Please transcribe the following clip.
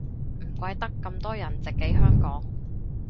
唔怪得咁多人直寄香港